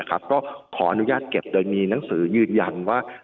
ก็ขออนุญาตเก็บโดยมีหนังสือยืนยันว่า